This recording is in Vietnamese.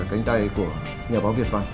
cảnh tay của nhà báo việt văn